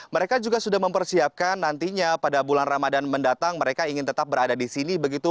mereka juga sudah mempersiapkan nantinya pada bulan ramadan mendatang mereka ingin tetap berada di sini begitu